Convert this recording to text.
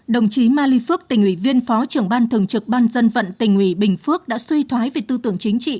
đồng chí ma ly phước tỉnh ủy viên phó trưởng ban thường trực ban dân vận tỉnh ủy bình phước đã suy thoái về tư tưởng chính trị